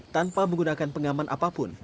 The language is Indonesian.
tanpa menggunakan pengaman apapun